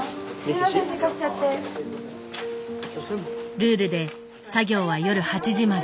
ルールで作業は夜８時まで。